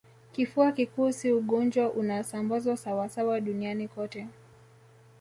Kifua kikuu si ugonjwa unaosambazwa sawasawa duniani kote